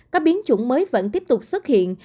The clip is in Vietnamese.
các biến chủng mới vẫn tiếp tục xuất hiện